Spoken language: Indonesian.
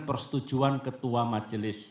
persetujuan ketua majelis